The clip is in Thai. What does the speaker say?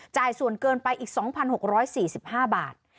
จ่ายส่วนเกินไปอีก๒๖๔๕บาท